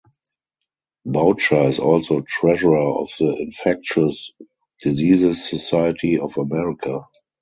Boucher is also treasurer of the Infectious Diseases Society of America.